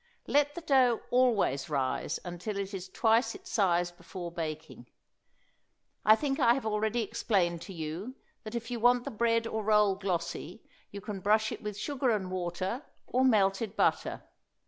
Let the dough always rise until it is twice its size before baking. I think I have already explained to you that if you want the bread or roll glossy you can brush it with sugar and water, or melted butter.